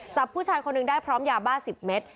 จับผู้ชายคนหนึ่งได้พร้อมยาบ้า๑๐เมตร